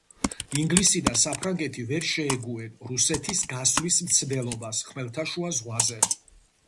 ინგლისი და საფრანგეთი ვერ შეეგუენ რუსეთის გასვლის მცდელობას ხმელთაშუა ზღვაზე.